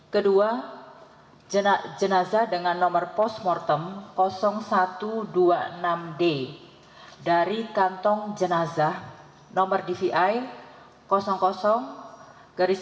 kedua jenazah dengan nomor postmortem satu ratus dua puluh enam d dari kantong jenazah nomor dvi lion tanjung priuk satu ratus delapan puluh dua